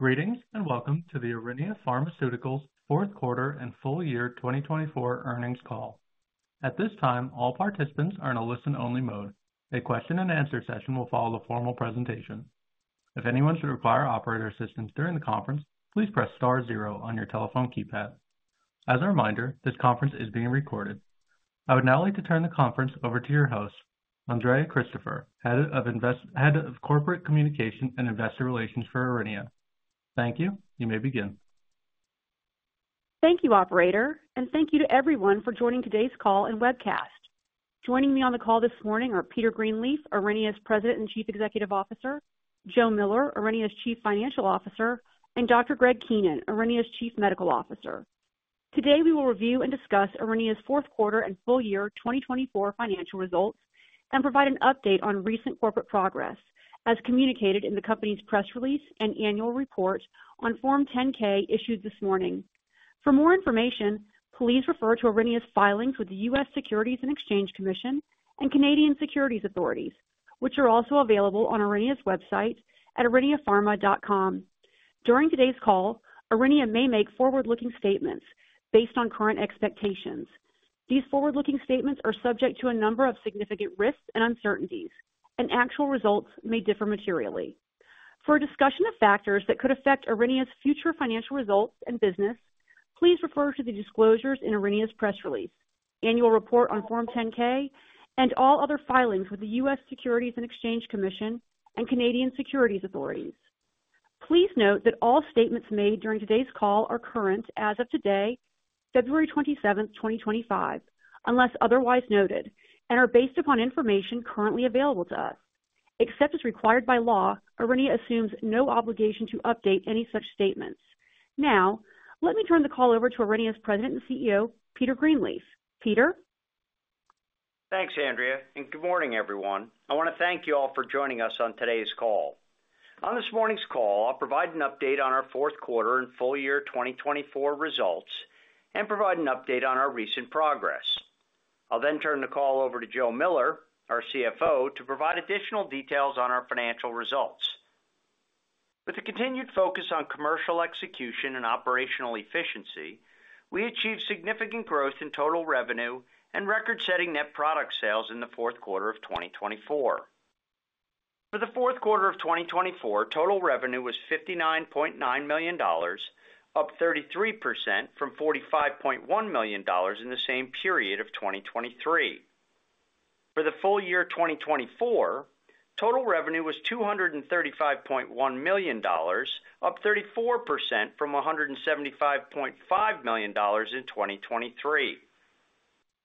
Greetings and welcome to the Aurinia Pharmaceuticals fourth quarter and full year 2024 earnings call. At this time, all participants are in a listen-only mode. A question-and-answer session will follow the formal presentation. If anyone should require operator assistance during the conference, please press star zero on your telephone keypad. As a reminder, this conference is being recorded. I would now like to turn the conference over to your host, Andrea Christopher, head of corporate communication and investor relations for Aurinia. Thank you. You may begin. Thank you, Operator, and thank you to everyone for joining today's call and webcast. Joining me on the call this morning are Peter Greenleaf, Aurinia's President and Chief Executive Officer, Joe Miller, Aurinia's Chief Financial Officer, and Dr. Greg Keenan, Aurinia's Chief Medical Officer. Today, we will review and discuss Aurinia's fourth quarter and full year 2024 financial results and provide an update on recent corporate progress as communicated in the company's press release and annual report on Form 10-K issued this morning. For more information, please refer to Aurinia's filings with the U.S. Securities and Exchange Commission and Canadian Securities Authorities, which are also available on Aurinia's website at auriniapharma.com. During today's call, Aurinia may make forward-looking statements based on current expectations. These forward-looking statements are subject to a number of significant risks and uncertainties, and actual results may differ materially. For a discussion of factors that could affect Aurinia's future financial results and business, please refer to the disclosures in Aurinia's press release, annual report on Form 10-K, and all other filings with the U.S. Securities and Exchange Commission and Canadian Securities Authorities. Please note that all statements made during today's call are current as of today, February 27, 2025, unless otherwise noted, and are based upon information currently available to us. Except as required by law, Aurinia assumes no obligation to update any such statements. Now, let me turn the call over to Aurinia's President and CEO, Peter Greenleaf. Peter. Thanks, Andrea, and good morning, everyone. I want to thank you all for joining us on today's call. On this morning's call, I'll provide an update on our fourth quarter and full year 2024 results and provide an update on our recent progress. I'll then turn the call over to Joe Miller, our CFO, to provide additional details on our financial results. With a continued focus on commercial execution and operational efficiency, we achieved significant growth in total revenue and record-setting net product sales in the fourth quarter of 2024. For the fourth quarter of 2024, total revenue was $59.9 million, up 33% from $45.1 million in the same period of 2023. For the full year 2024, total revenue was $235.1 million, up 34% from $175.5 million in 2023.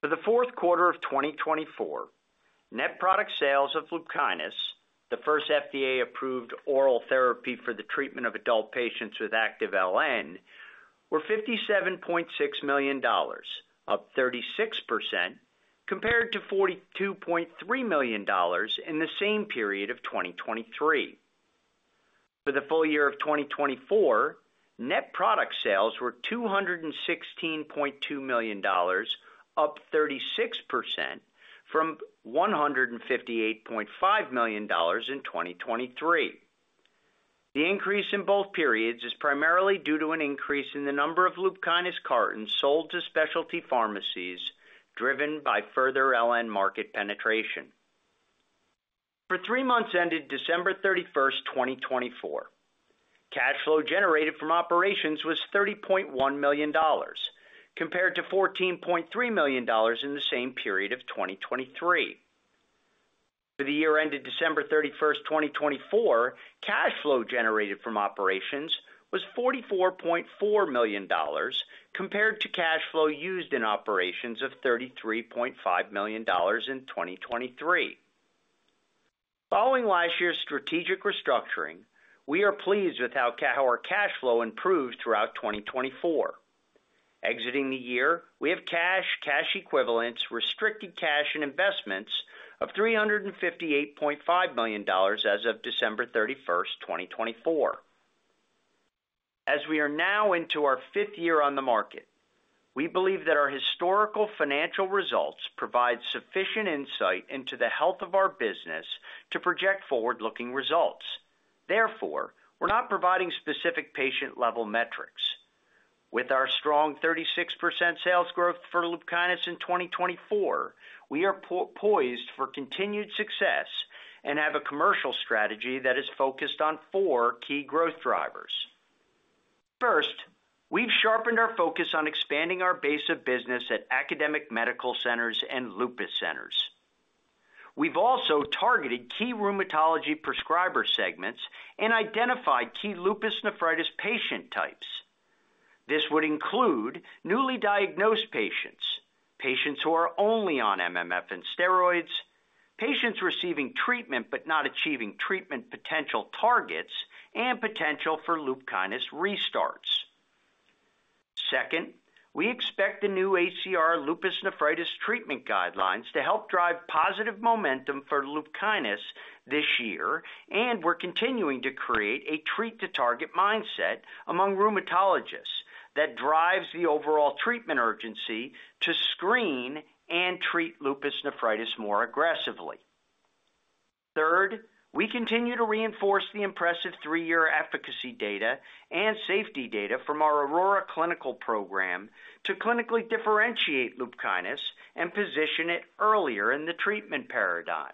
For the fourth quarter of 2024, net product sales of Lupkynis, the first FDA-approved oral therapy for the treatment of adult patients with active LN, were $57.6 million, up 36%, compared to $42.3 million in the same period of 2023. For the full year of 2024, net product sales were $216.2 million, up 36% from $158.5 million in 2023. The increase in both periods is primarily due to an increase in the number of Lupkynis cartons sold to specialty pharmacies, driven by further LN market penetration. For three months ended December 31, 2024, cash flow generated from operations was $30.1 million, compared to $14.3 million in the same period of 2023. For the year ended December 31, 2024, cash flow generated from operations was $44.4 million, compared to cash flow used in operations of $33.5 million in 2023. Following last year's strategic restructuring, we are pleased with how our cash flow improved throughout 2024. Exiting the year, we have cash, cash equivalents, restricted cash, and investments of $358.5 million as of December 31, 2024. As we are now into our fifth year on the market, we believe that our historical financial results provide sufficient insight into the health of our business to project forward-looking results. Therefore, we're not providing specific patient-level metrics. With our strong 36% sales growth for Lupkynis in 2024, we are poised for continued success and have a commercial strategy that is focused on four key growth drivers. First, we've sharpened our focus on expanding our base of business at academic medical centers and lupus centers. We've also targeted key rheumatology prescriber segments and identified key lupus nephritis patient types. This would include newly diagnosed patients, patients who are only on MMF and steroids, patients receiving treatment but not achieving treatment potential targets, and potential for Lupkynis restarts. Second, we expect the new ACR lupus nephritis treatment guidelines to help drive positive momentum for Lupkynis this year, and we're continuing to create a treat-to-target mindset among rheumatologists that drives the overall treatment urgency to screen and treat lupus nephritis more aggressively. Third, we continue to reinforce the impressive three-year efficacy data and safety data from our AURORA Clinical Program to clinically differentiate Lupkynis and position it earlier in the treatment paradigm.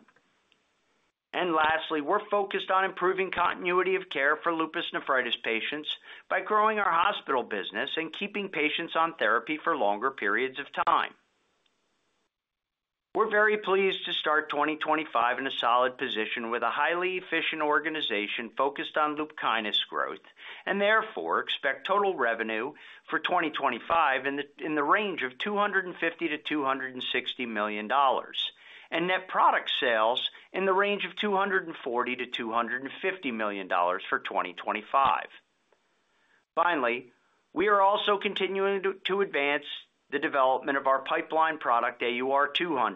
And lastly, we're focused on improving continuity of care for lupus nephritis patients by growing our hospital business and keeping patients on therapy for longer periods of time. We're very pleased to start 2025 in a solid position with a highly efficient organization focused on Lupkynis growth and therefore expect total revenue for 2025 in the range of $250-$260 million and net product sales in the range of $240-$250 million for 2025. Finally, we are also continuing to advance the development of our pipeline product AUR-200,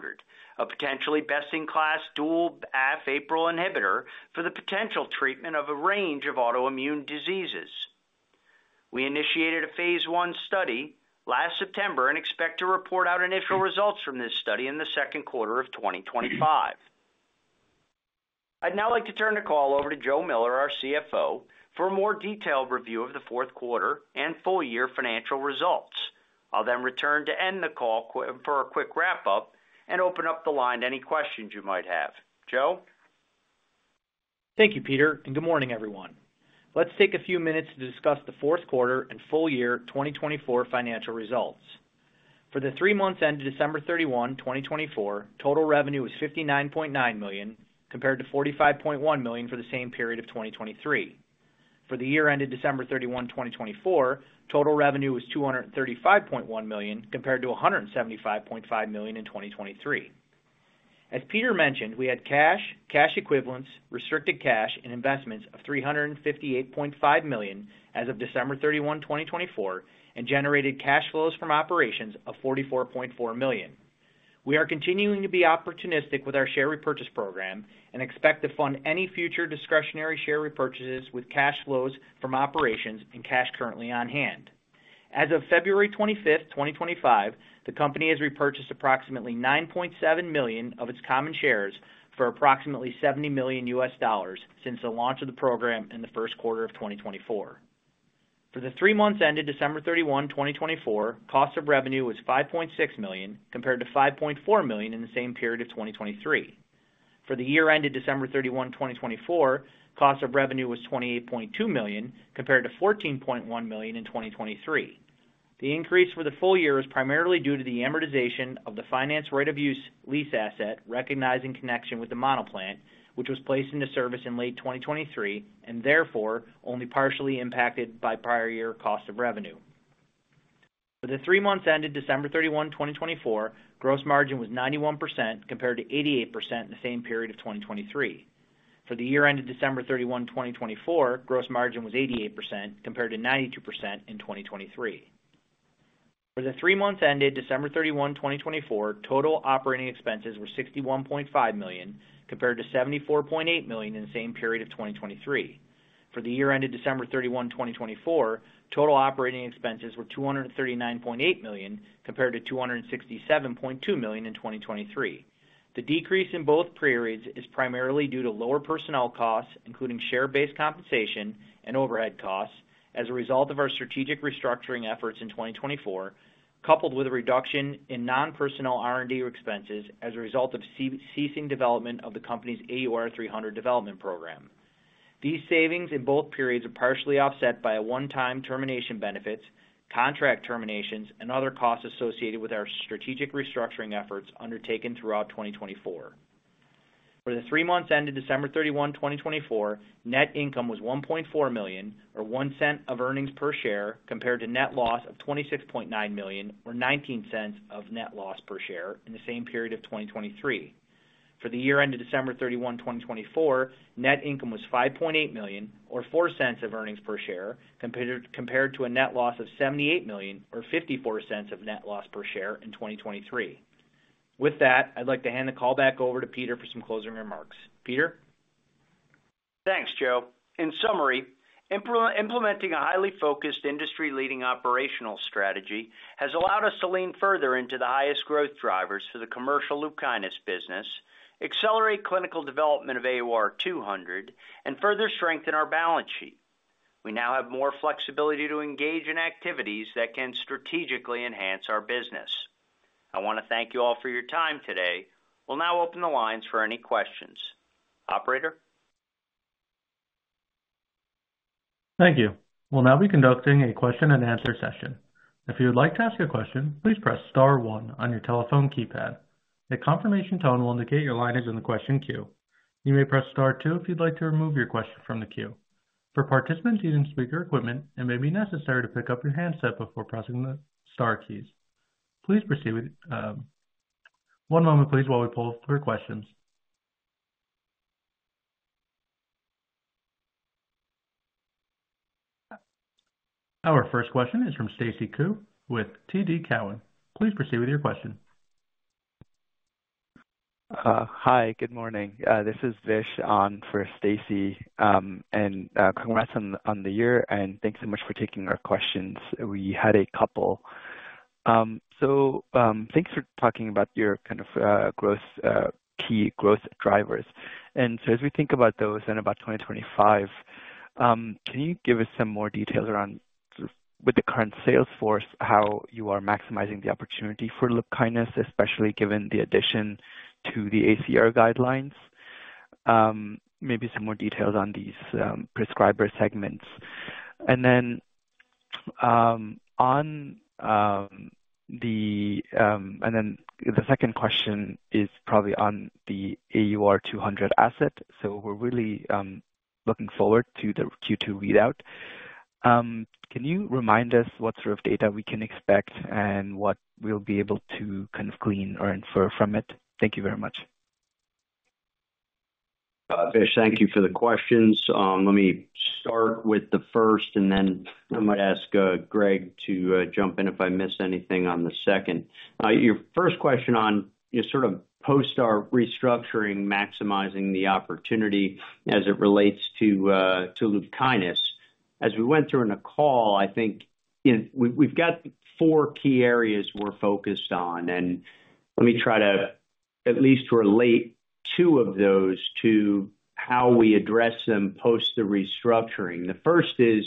a potentially best-in-class dual APRIL inhibitor for the potential treatment of a range of autoimmune diseases. We initiated a phase I study last September and expect to report out initial results from this study in the second quarter of 2025. I'd now like to turn the call over to Joe Miller, our CFO, for a more detailed review of the fourth quarter and full year financial results. I'll then return to end the call for a quick wrap-up and open up the line to any questions you might have. Joe. Thank you, Peter, and good morning, everyone. Let's take a few minutes to discuss the fourth quarter and full year 2024 financial results. For the three months ended December 31, 2024, total revenue was $59.9 million compared to $45.1 million for the same period of 2023. For the year ended December 31, 2024, total revenue was $235.1 million compared to $175.5 million in 2023. As Peter mentioned, we had cash, cash equivalents, restricted cash, and investments of $358.5 million as of December 31, 2024, and generated cash flows from operations of $44.4 million. We are continuing to be opportunistic with our share repurchase program and expect to fund any future discretionary share repurchases with cash flows from operations and cash currently on hand. As of February 25, 2025, the company has repurchased approximately $9.7 million of its common shares for approximately $70 million since the launch of the program in the first quarter of 2024. For the three months ended December 31, 2024, cost of revenue was $5.6 million compared to $5.4 million in the same period of 2023. For the year ended December 31, 2024, cost of revenue was $28.2 million compared to $14.1 million in 2023. The increase for the full year is primarily due to the amortization of the finance right-of-use lease asset recognized in connection with the manufacturing plant, which was placed into service in late 2023 and therefore only partially impacted by prior year cost of revenue. For the three months ended December 31, 2024, gross margin was 91% compared to 88% in the same period of 2023. For the year ended December 31, 2024, gross margin was 88% compared to 92% in 2023. For the three months ended December 31, 2024, total operating expenses were $61.5 million compared to $74.8 million in the same period of 2023. For the year ended December 31, 2024, total operating expenses were $239.8 million compared to $267.2 million in 2023. The decrease in both periods is primarily due to lower personnel costs, including share-based compensation and overhead costs, as a result of our strategic restructuring efforts in 2024, coupled with a reduction in non-personnel R&D expenses as a result of ceasing development of the company's AUR-300 development program. These savings in both periods are partially offset by one-time termination benefits, contract terminations, and other costs associated with our strategic restructuring efforts undertaken throughout 2024. For the three months ended December 31, 2024, net income was $1.4 million, or $0.01 of earnings per share, compared to net loss of $26.9 million, or $0.19 of net loss per share in the same period of 2023. For the year ended December 31, 2024, net income was $5.8 million, or $0.04 of earnings per share, compared to a net loss of $78 million, or $0.54 of net loss per share in 2023. With that, I'd like to hand the call back over to Peter for some closing remarks. Peter. Thanks, Joe. In summary, implementing a highly focused industry-leading operational strategy has allowed us to lean further into the highest growth drivers for the commercial lupus business, accelerate clinical development of AUR-200, and further strengthen our balance sheet. We now have more flexibility to engage in activities that can strategically enhance our business. I want to thank you all for your time today. We'll now open the lines for any questions. Operator. Thank you. We'll now be conducting a question-and-answer session. If you would like to ask a question, please press star one on your telephone keypad. A confirmation tone will indicate your line is in the question queue. You may press star two if you'd like to remove your question from the queue. For participants using speaker equipment, it may be necessary to pick up your handset before pressing the Star keys. Please proceed with one moment, please, while we pull up your questions. Our first question is from Stacy Ku with TD Cowen. Please proceed with your question. Hi, good morning. This is Vish on for Stacy, and congrats on the year, and thanks so much for taking our questions. We had a couple. So thanks for talking about your kind of key growth drivers. And so as we think about those in about 2025, can you give us some more details around with the current sales force, how you are maximizing the opportunity for Lupkynis, especially given the addition to the ACR guidelines? Maybe some more details on these prescriber segments. And then on the second question is probably on the AUR-200 asset. So we're really looking forward to the Q2 readout. Can you remind us what sort of data we can expect and what we'll be able to kind of glean or infer from it? Thank you very much. Vish, thank you for the questions. Let me start with the first, and then I might ask Greg to jump in if I miss anything on the second. Your first question on sort of post-restructuring, maximizing the opportunity as it relates to Lupkynis. As we went through in a call, I think we've got four key areas we're focused on, and let me try to at least relate two of those to how we address them post the restructuring. The first is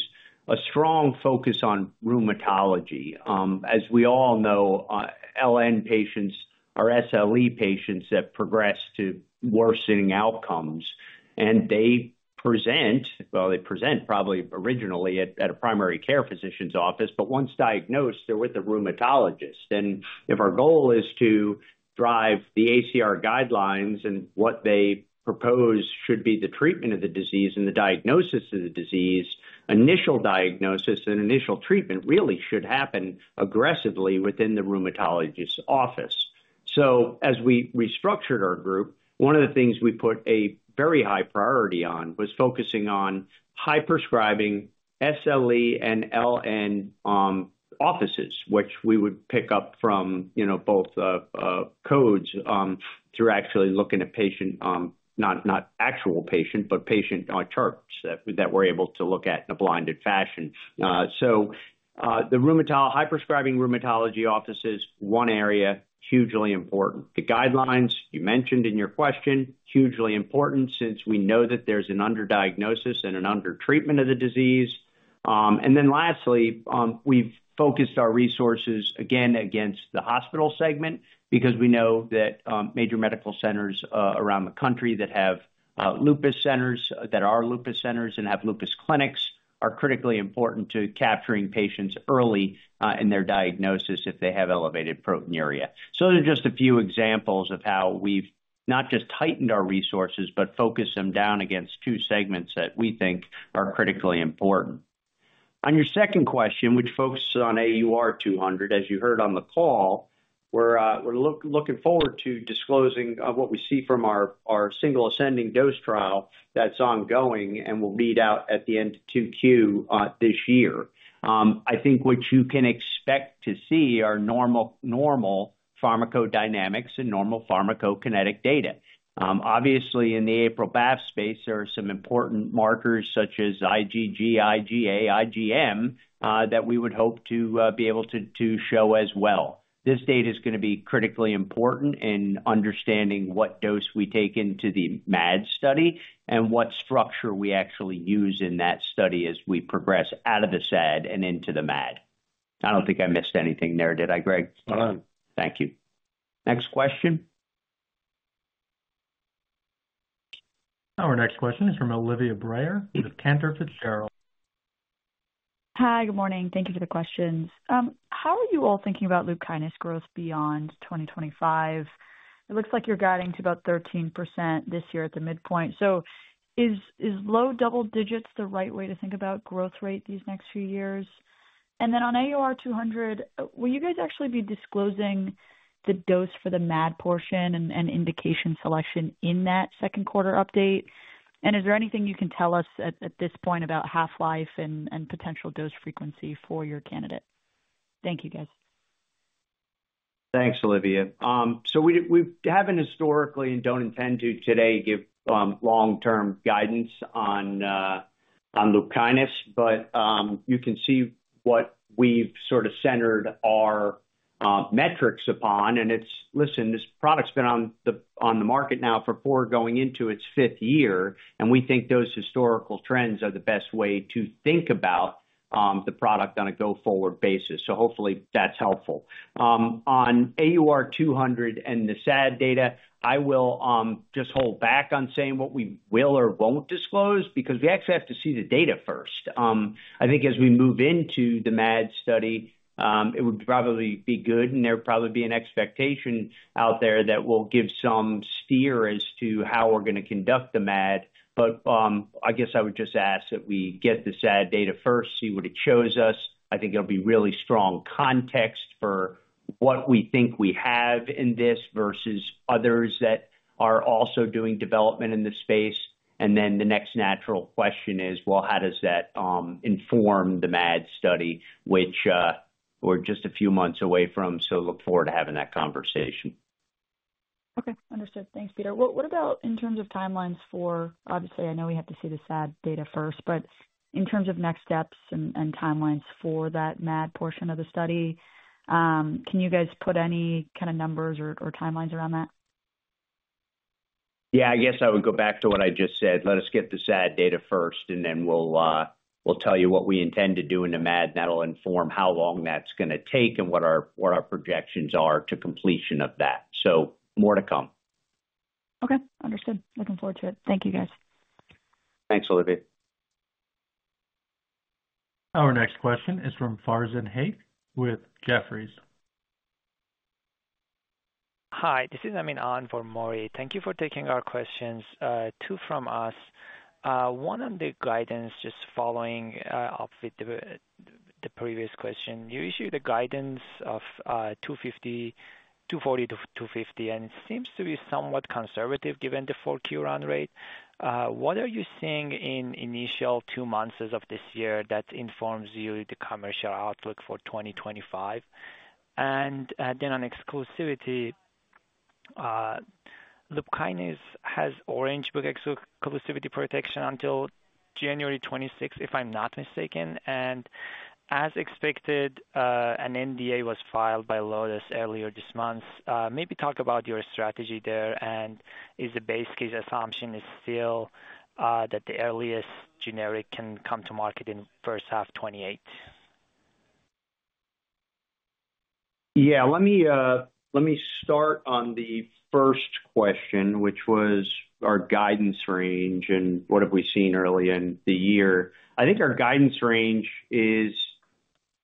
a strong focus on rheumatology. As we all know, LN patients are SLE patients that progress to worsening outcomes, and they present, well, probably originally at a primary care physician's office, but once diagnosed, they're with a rheumatologist. And if our goal is to drive the ACR guidelines and what they propose should be the treatment of the disease and the diagnosis of the disease, initial diagnosis and initial treatment really should happen aggressively within the rheumatologist's office. So as we restructured our group, one of the things we put a very high priority on was focusing on high prescribing SLE and LN offices, which we would pick up from both codes through actually looking at patient, not actual patient, but patient charts that we're able to look at in a blinded fashion. So the high prescribing rheumatology office is one area hugely important. The guidelines you mentioned in your question, hugely important since we know that there's an underdiagnosis and an under-treatment of the disease. And then lastly, we've focused our resources again against the hospital segment because we know that major medical centers around the country that have lupus centers and have lupus clinics are critically important to capturing patients early in their diagnosis if they have elevated proteinuria. So those are just a few examples of how we've not just tightened our resources, but focused them down against two segments that we think are critically important. On your second question, which focuses on AUR-200, as you heard on the call, we're looking forward to disclosing what we see from our single ascending dose trial that's ongoing and will be out at the end of Q2 this year. I think what you can expect to see are normal pharmacodynamics and normal pharmacokinetic data. Obviously, in the APRIL/BAFF space, there are some important markers such as IgG, IgA, IgM that we would hope to be able to show as well. This data is going to be critically important in understanding what dose we take into the MAD study and what structure we actually use in that study as we progress out of the SAD and into the MAD. I don't think I missed anything there, did I, Greg? Uh-huh. Thank you. Next question. Our next question is from Olivia Brayer with Cantor Fitzgerald. Hi, good morning. Thank you for the questions. How are you all thinking about Lupkynis growth beyond 2025? It looks like you're guiding to about 13% this year at the midpoint. So is low double digits the right way to think about growth rate these next few years? And then on AUR-200, will you guys actually be disclosing the dose for the MAD portion and indication selection in that second quarter update? And is there anything you can tell us at this point about half-life and potential dose frequency for your candidate? Thank you, guys. Thanks, Olivia. So we haven't historically and don't intend to today give long-term guidance on lupus, but you can see what we've sort of centered our metrics upon, and listen, this product's been on the market now for four going into its fifth year, and we think those historical trends are the best way to think about the product on a go-forward basis, so hopefully that's helpful. On AUR-200 and the SAD data, I will just hold back on saying what we will or won't disclose because we actually have to see the data first. I think as we move into the MAD study, it would probably be good, and there would probably be an expectation out there that will give some steer as to how we're going to conduct the MAD. But I guess I would just ask that we get the SAD data first, see what it shows us. I think it'll be really strong context for what we think we have in this versus others that are also doing development in the space. And then the next natural question is, well, how does that inform the MAD study, which we're just a few months away from? So look forward to having that conversation. Okay. Understood. Thanks, Peter. What about in terms of timelines for, obviously, I know we have to see the SAD data first, but in terms of next steps and timelines for that MAD portion of the study, can you guys put any kind of numbers or timelines around that? Yeah, I guess I would go back to what I just said. Let us get the SAD data first, and then we'll tell you what we intend to do in the MAD, and that'll inform how long that's going to take and what our projections are to completion of that. So more to come. Okay. Understood. Looking forward to it. Thank you, guys. Thanks, Olivia. Our next question is from Farzan Hayth with Jefferies. Hi. This is Amin on for Maury. Thank you for taking our questions. Two from us. One on the guidance, just following up with the previous question. You issued the guidance of $240-$250, and it seems to be somewhat conservative given the full Q1 rate. What are you seeing in initial two months as of this year that informs you the commercial outlook for 2025? And then on exclusivity, Lupkynis has Orange Book exclusivity protection until January 26, if I'm not mistaken. And as expected, an NDA was filed by Lotus earlier this month. Maybe talk about your strategy there, and is the base case assumption still that the earliest generic can come to market in first half 2028? Yeah. Let me start on the first question, which was our guidance range and what have we seen early in the year. I think our guidance range is,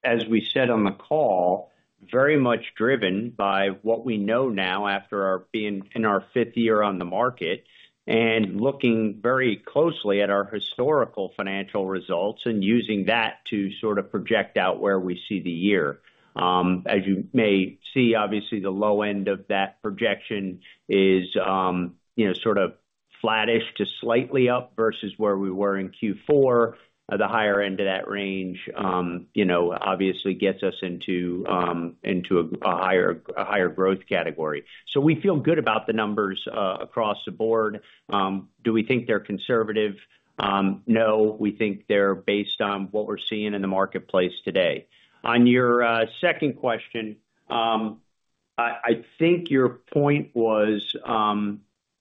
as we said on the call, very much driven by what we know now after being in our fifth year on the market and looking very closely at our historical financial results and using that to sort of project out where we see the year. As you may see, obviously, the low end of that projection is sort of flattish to slightly up versus where we were in Q4. The higher end of that range, obviously, gets us into a higher growth category. So we feel good about the numbers across the board. Do we think they're conservative? No. We think they're based on what we're seeing in the marketplace today. On your second question, I think your point was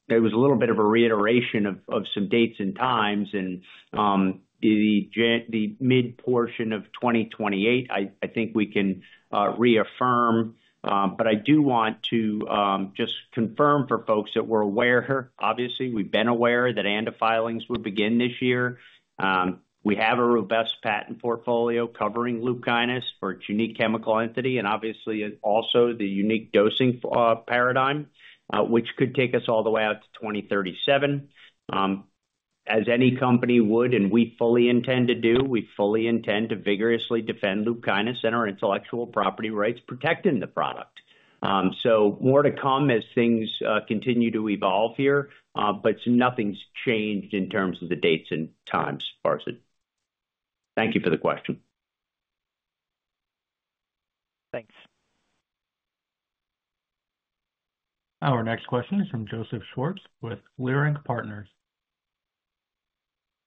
there was a little bit of a reiteration of some dates and times in the mid-portion of 2028. I think we can reaffirm, but I do want to just confirm for folks that we're aware, obviously, we've been aware that ANDA filings would begin this year. We have a robust patent portfolio covering Lupkynis for its unique chemical entity and obviously also the unique dosing paradigm, which could take us all the way out to 2037. As any company would, and we fully intend to do, we fully intend to vigorously defend Lupkynis and our intellectual property rights protecting the product. So more to come as things continue to evolve here, but nothing's changed in terms of the dates and times, Farzan. Thank you for the question. Thanks. Our next question is from Joseph Schwartz with Leerink Partners.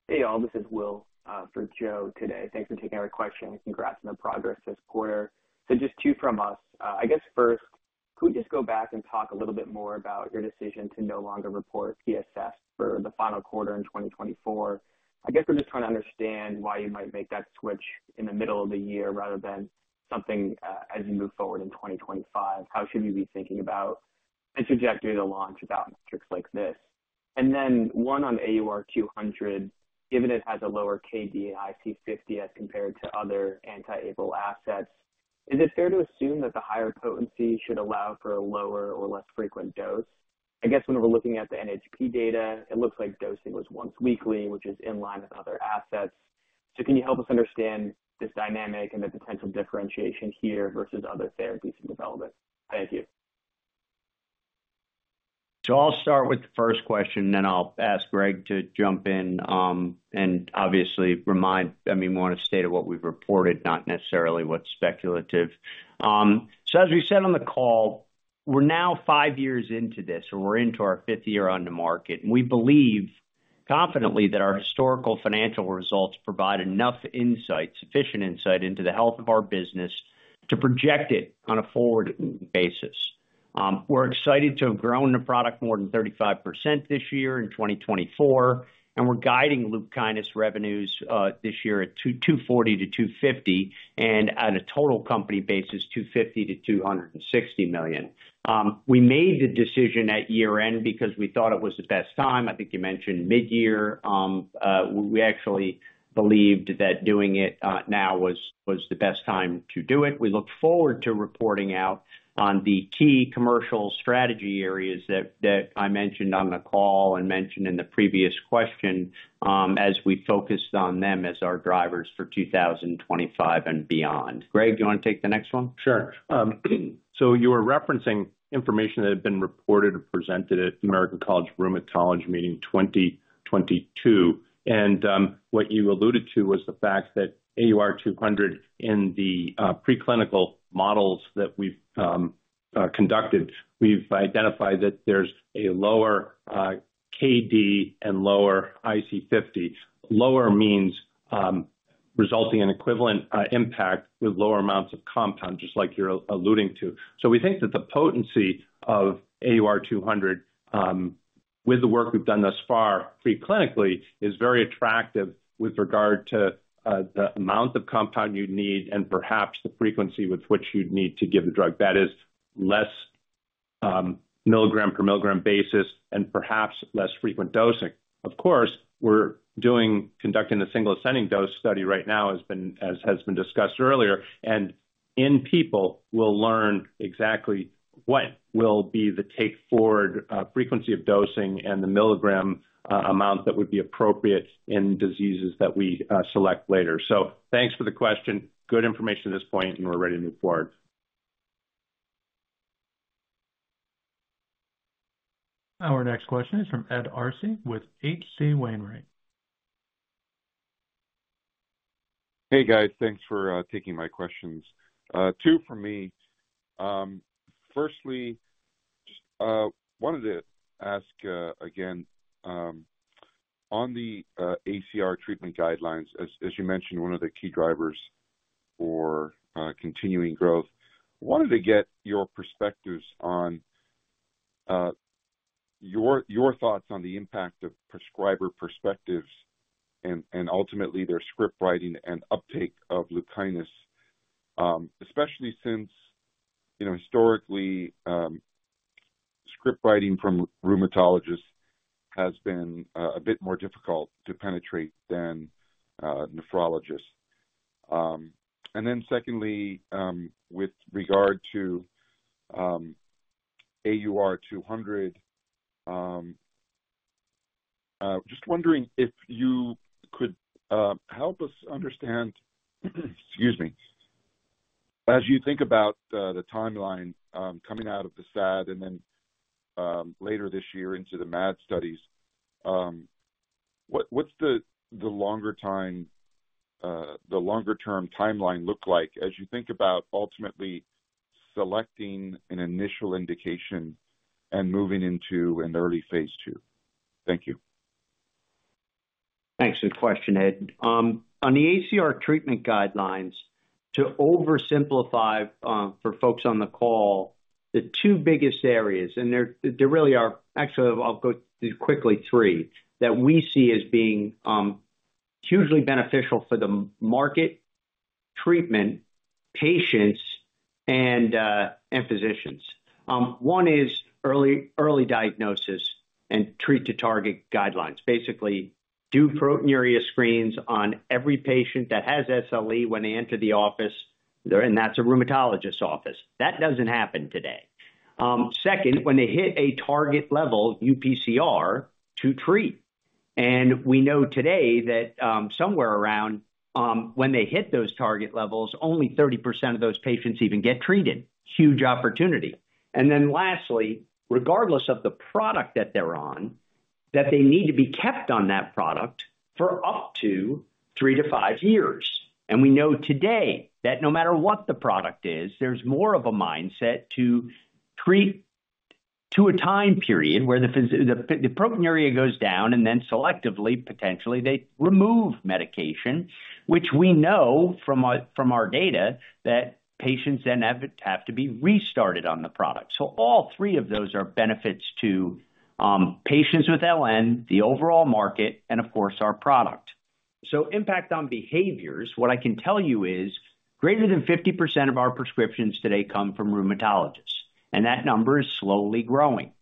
Hey, all. This is Will for Joe today. Thanks for taking our question and congrats on the progress this quarter. So just two from us. I guess first, could we just go back and talk a little bit more about your decision to no longer report PSFs for the final quarter in 2024? I guess I'm just trying to understand why you might make that switch in the middle of the year rather than something as you move forward in 2025. How should you be thinking about and trajectory to launch about metrics like this? And then one on AUR-200, given it has a lower KD and IC50 as compared to other anti-APRIL assets, is it fair to assume that the higher potency should allow for a lower or less frequent dose? I guess when we're looking at the NHP data, it looks like dosing was once weekly, which is in line with other assets. So can you help us understand this dynamic and the potential differentiation here versus other therapies and development? Thank you. So I'll start with the first question, and then I'll ask Greg to jump in and obviously remind, I mean, more in a state of what we've reported, not necessarily what's speculative. So as we said on the call, we're now five years into this, or we're into our fifth year on the market. We believe confidently that our historical financial results provide enough insight, sufficient insight into the health of our business to project it on a forward basis. We're excited to have grown the product more than 35% this year in 2024, and we're guiding lupus revenues this year at $240-$250 million, and on a total company basis, $250-$260 million. We made the decision at year-end because we thought it was the best time. I think you mentioned mid-year. We actually believed that doing it now was the best time to do it. We look forward to reporting out on the key commercial strategy areas that I mentioned on the call and mentioned in the previous question as we focused on them as our drivers for 2025 and beyond. Greg, do you want to take the next one? Sure. So you were referencing information that had been reported and presented at the American College of Rheumatology meeting 2022. And what you alluded to was the fact that AUR-200 in the preclinical models that we've conducted, we've identified that there's a lower KD and lower IC50. Lower means resulting in equivalent impact with lower amounts of compound, just like you're alluding to. So we think that the potency of AUR-200 with the work we've done thus far preclinically is very attractive with regard to the amount of compound you'd need and perhaps the frequency with which you'd need to give the drug. That is less milligram per milligram basis and perhaps less frequent dosing. Of course, we're conducting the single ascending dose study right now, as has been discussed earlier, and in people, we'll learn exactly what will be the take forward frequency of dosing and the milligram amount that would be appropriate in diseases that we select later. So thanks for the question. Good information at this point, and we're ready to move forward. Our next question is from Ed Arce with H.C. Wainwright. Hey, guys. Thanks for taking my questions. Two for me. Firstly, wanted to ask again, on the ACR treatment guidelines, as you mentioned, one of the key drivers for continuing growth, wanted to get your perspectives on your thoughts on the impact of prescriber perspectives and ultimately their script writing and uptake of Lupkynis, especially since historically script writing from rheumatologists has been a bit more difficult to penetrate than nephrologists. And then secondly, with regard to AUR-200, just wondering if you could help us understand, excuse me, as you think about the timeline coming out of the SAD and then later this year into the MAD studies, what's the longer-term timeline look like as you think about ultimately selecting an initial indication and moving into an early phase II? Thank you. Thanks for the question, Ed. On the ACR treatment guidelines, to oversimplify for folks on the call, the two biggest areas, and there really are actually, I'll go quickly three, that we see as being hugely beneficial for the market, treatment, patients, and physicians. One is early diagnosis and treat-to-target guidelines. Basically, do proteinuria screens on every patient that has SLE when they enter the office, and that's a rheumatologist's office. That doesn't happen today. Second, when they hit a target level, UPCR, to treat. And we know today that somewhere around when they hit those target levels, only 30% of those patients even get treated. Huge opportunity. And then lastly, regardless of the product that they're on, that they need to be kept on that product for up to three to five years. And we know today that no matter what the product is, there's more of a mindset to treat to a time period where the proteinuria goes down and then selectively, potentially, they remove medication, which we know from our data that patients then have to be restarted on the product. So all three of those are benefits to patients with LN, the overall market, and of course, our product. So impact on behaviors, what I can tell you is greater than 50% of our prescriptions today come from rheumatologists, and that number is slowly growing.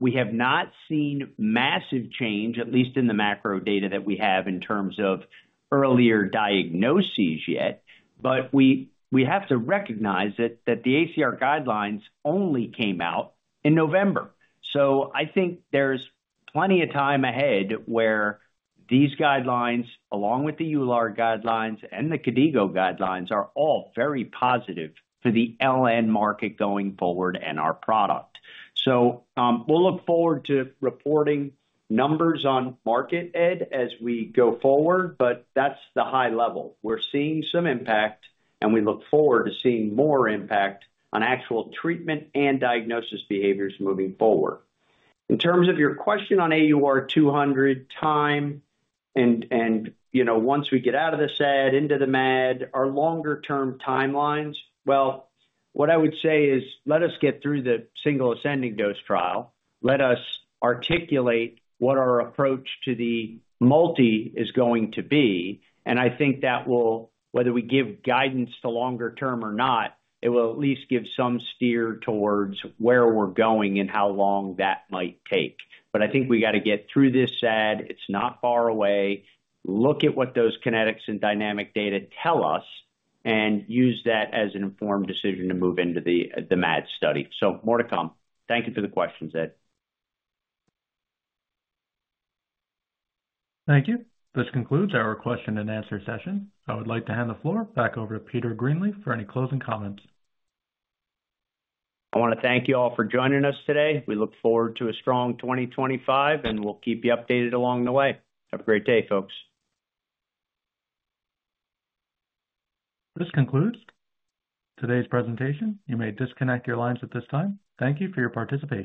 We have not seen massive change, at least in the macro data that we have in terms of earlier diagnoses yet, but we have to recognize that the ACR guidelines only came out in November. I think there's plenty of time ahead where these guidelines, along with the EULAR guidelines and the KDIGO guidelines, are all very positive for the LN market going forward and our product. We'll look forward to reporting numbers on market, Ed, as we go forward, but that's the high level. We're seeing some impact, and we look forward to seeing more impact on actual treatment and diagnosis behaviors moving forward. In terms of your question on AUR-200 timelines and once we get out of the SAD into the MAD, our longer-term timelines. What I would say is let us get through the single ascending dose trial. Let us articulate what our approach to the multi is going to be. And I think that will, whether we give guidance to longer term or not, it will at least give some steer towards where we're going and how long that might take. But I think we got to get through this SAD. It's not far away. Look at what those kinetics and dynamic data tell us and use that as an informed decision to move into the MAD study. So more to come. Thank you for the questions, Ed. Thank you. This concludes our question and answer session. I would like to hand the floor back over to Peter Greenleaf for any closing comments. I want to thank you all for joining us today. We look forward to a strong 2025, and we'll keep you updated along the way. Have a great day, folks. This concludes today's presentation. You may disconnect your lines at this time. Thank you for your participation.